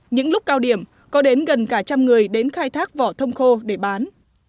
những lúc cao điểm có đến gần cả trăm người đến khai thác vỏ thông khô để bán